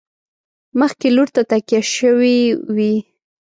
مخکې لور ته تکیه شوي وي.